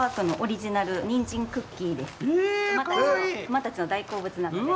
馬たちの大好物なので。